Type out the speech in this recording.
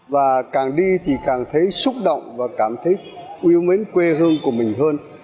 và càng đi thì càng thấy xúc động và cảm thấy yêu mến quê hương của mình hơn